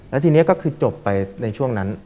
แล้วทีนี้ก็คือจบไปในช่วงนั้น